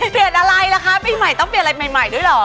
เปลี่ยนอะไรล่ะคะปีใหม่ต้องเปลี่ยนอะไรใหม่ด้วยเหรอ